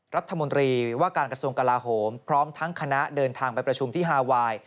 รัฐมนตรีว่าการกระทรวงกลาโหมพร้อมทั้งคณะเดินทางไปประชุมที่ฮาไวน์